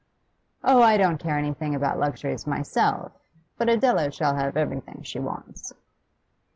'Oh, I don't care anything about luxuries myself, but Adela shall have everything she wants.